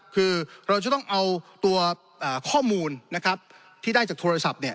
คือเราจะต้องเอาตัวข้อมูลที่ได้จากโทรศัพท์